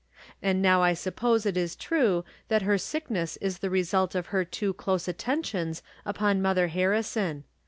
And now I suppose it is true that her sickness is the result of her too close attentions upon Mother Harrison.